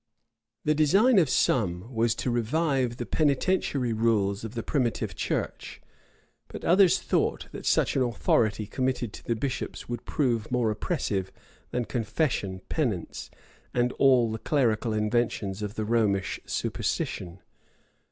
The design of some was to revive the penitentiary rules of the primitive church; but others thought, that such an authority committed to the bishops would prove more oppressive than confession, penance, and all the clerical inventions of the Romish superstition.